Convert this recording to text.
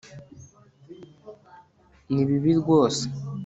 Ni bibi rwose